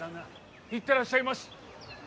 行ってらっしゃいまし！